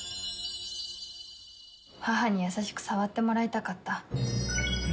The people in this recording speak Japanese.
母に優しく触ってもらいたかった。